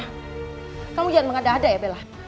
kamu jangan mengada ada ya bella